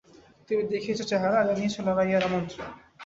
তুমি দেখিয়েছ চেহারা, জানিয়েছ লড়াইয়ের আমন্ত্রণ।